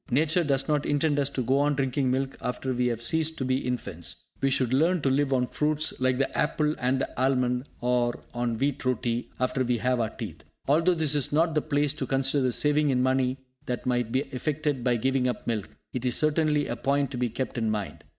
Nature does not intend us to go on drinking milk after we have ceased to be infants. We should learn to live on fruits like the apple and the almond, or on wheat roti, after we have our teeth. Although this is not the place to consider the saving in money that might be effected by giving up milk, it is certainly a point to be kept in mind.